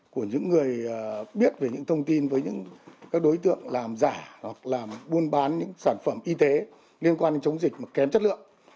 của những người biết về những thông tin với những đối tượng làm giả hoặc là buôn bán những sản phẩm y tế liên quan đến chống dịch kém chất lượng